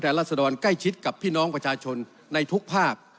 แต่รัศดรใกล้ชิดกับพี่น้องประชาชนในทุกภาค